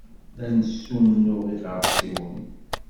La nessunuɣ iɣersiwen.